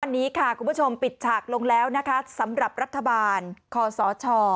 วันนี้ค่ะคุณผู้ชมปิดฉากลงแล้วนะคะสำหรับรัฐบาลคอสช